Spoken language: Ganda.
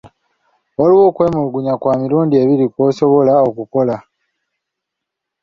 Waliwo okwemulugunya kwa mirundi ebiri kw'osobola okukola.